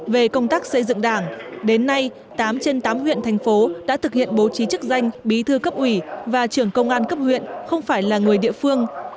về công tác xây dựng đảng đến nay tám trên tám huyện thành phố đã thực hiện bố trí chức danh bí thư cấp ủy và trưởng công an cấp huyện không phải là người địa phương